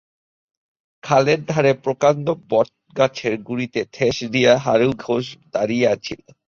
খালের ধারে প্রকান্ড বটগাছের গুড়িতে ঠেস দিয়া হারু ঘোষ দাড়াইয়া ছিল।